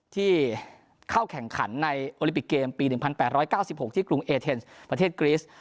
ที่เข้าแข่งขันในโอลิปิกเกมปี๑๘๙๖ที่กรุงเอเทนส์ประเทศกรีส